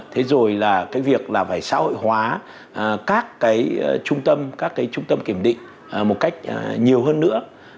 thế rồi là việc phải xã hội hóa các trung tâm kiểm định một cách nhiều hơn nữa